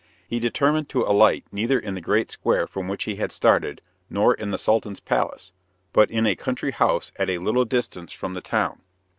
He determined to alight neither in the great square from which he had started, nor in the Sultan's palace, but in a country house at a little distance from the town.